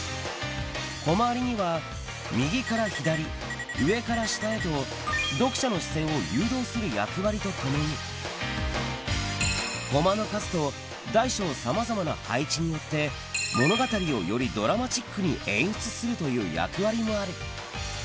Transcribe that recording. コマ割りには右から左、上から下へと、読者の視線を誘導する役割とともに、コマの数と、大小さまざまな配置によって物語をよりドラマチックに演出するという役割もある。